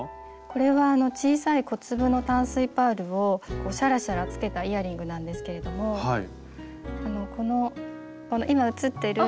これは小さい小粒の淡水パールをシャラシャラつけたイヤリングなんですけれどもこの今映ってる。